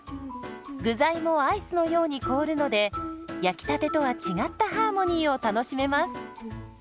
具材もアイスのように凍るので焼きたてとは違ったハーモニーを楽しめます。